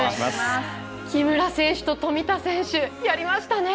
木村選手と富田選手やりましたね。